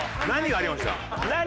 何がありました？